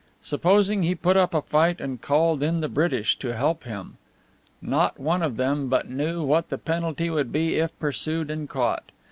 Supposing he put up a fight and called in the British to help him? Not one of them but knew what the penalty would be if pursued and caught.